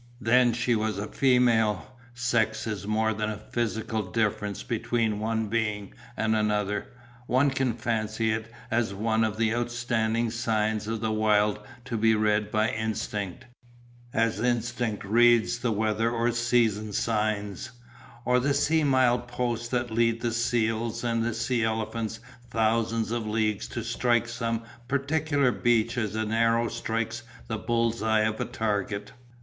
Then she was a female. Sex is more than a physical difference between one being and another, one can fancy it as one of the outstanding signs of the Wild to be read by instinct, as instinct reads the weather or season signs, or the sea mile posts that lead the seals and sea elephants thousands of leagues to strike some particular beach as an arrow strikes the bull's eye of a target.